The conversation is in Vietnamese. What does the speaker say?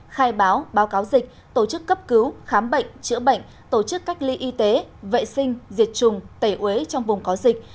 khai báo báo cáo dịch tổ chức cấp cứu khám bệnh chữa bệnh tổ chức cách ly y tế vệ sinh diệt trùng tẩy uế trong vùng có dịch